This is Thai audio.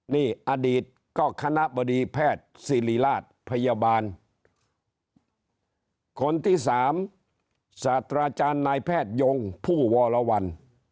นี่อดีตก็คณะบดีแพทย์ศิริราชพยาบาลคนที่สามศาสตราจารย์นายแพทยงผู้วรวรรณ